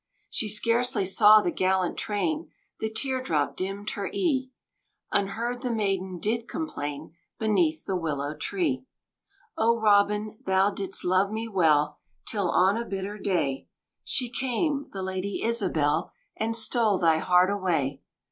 She scarcely saw the gallant train: The tear drop dimmed her ee: Unheard the maiden did complain Beneath the Willow Tree. "Oh Robin, thou didst love me well, Till, on a bitter day, She came, the Lady Isabel, And stole thy heart away.